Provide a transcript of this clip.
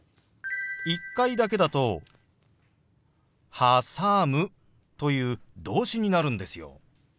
１回だけだと「はさむ」という動詞になるんですよ。